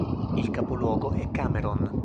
Il capoluogo è Cameron.